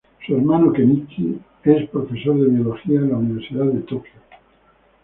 Su hermano Kenichi es profesor de Biología en la universidad de Tokio.